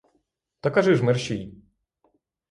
Та кажи ж мерщій!